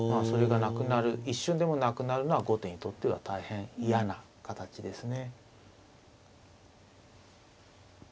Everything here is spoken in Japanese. それがなくなる一瞬でもなくなるのは後手にとっては大変嫌な形ですね。